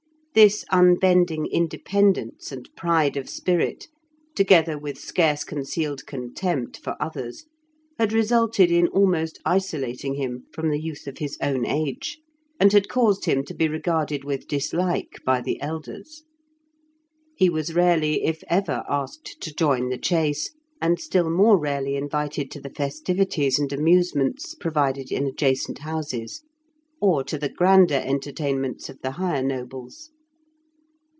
This unbending independence and pride of spirit, together with scarce concealed contempt for others, had resulted in almost isolating him from the youth of his own age, and had caused him to be regarded with dislike by the elders. He was rarely, if ever, asked to join the chase, and still more rarely invited to the festivities and amusements provided in adjacent houses, or to the grander entertainments of the higher nobles.